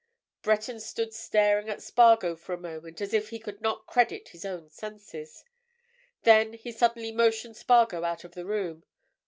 Breton stood staring at Spargo for a moment as if he could not credit his own senses. Then he suddenly motioned Spargo out of the room.